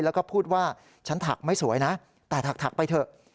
แล้วก็พูดว่าฉันถักไม่สวยนะแต่ถักไปเถอะ